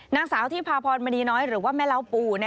นางสาวที่พาพรมณีน้อยหรือว่าแม่เล้าปู